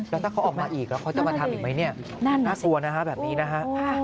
แล้วถ้าเขาออกมาอีกแล้วเขาจะมาทำอีกไหมเนี่ยน่ากลัวนะฮะแบบนี้นะฮะ